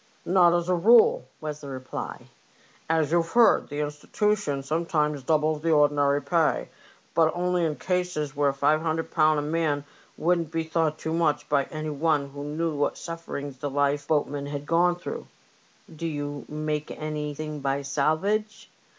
" Not as a rule," was the reply. " As you've heard, 170 LIFEBOATS AND THEIR CHEWS. the Institution sometimes doubles the ordinary pay, but only in cases where £500 a man wouldn't be thought too much by any one who knew what sufferings the life boatmen had gone through." " Do you make anything by salvage